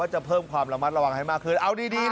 จะเพิ่มความระมัดระวังให้มากคืน